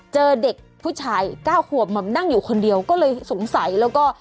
เจอเด็กผู้ชายเก้าขวบมานั่งอยู่คนเดียวก็เลยสงสัยแล้วก็